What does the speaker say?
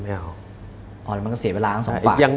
อ้าวเหลือเสียเวลาทั้งสองฝั่ง